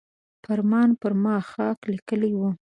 فاران پر ما خاکه لیکلې وه.